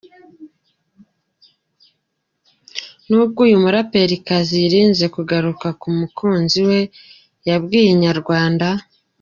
Nubwo uyu muraperikazi yirinze kugaruka ku mukunzi we, yabwiye Inyarwanda.